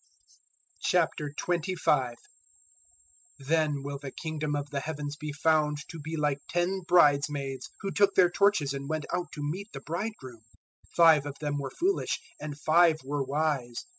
025:001 "Then will the Kingdom of the Heavens be found to be like ten bridesmaids who took their torches and went out to meet the bridegroom. 025:002 Five of them were foolish and five were wise.